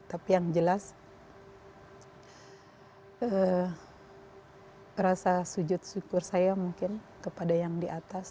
tapi yang jelas rasa sujud syukur saya mungkin kepada yang di atas